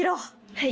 はい。